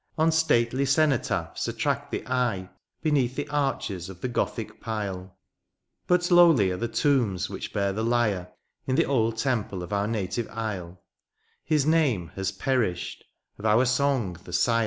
On stately cenotaphs attract the eye Beneath the arches of the gothic pile ; But lowly are the tombs which bear the lyre ; In the old temple of our native isle His name has perished, of our song the sire.